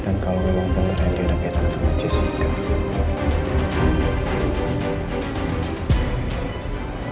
dan kalau memang beneran dia ada kaitan sama jessica